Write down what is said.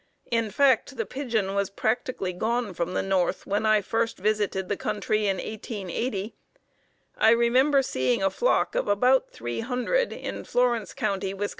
In fact, the pigeon was practically gone from the north when I first visited the country in 1880. I remember seeing a flock of about three hundred in Florence County, Wis.